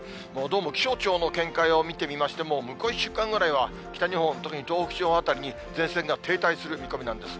どうも気象庁の見解を見てみましても、向こう１週間ぐらいは北日本、特に東北地方辺りに、前線が停滞する見込みなんです。